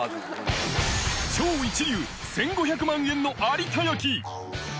超一流、１５００万円の有田焼。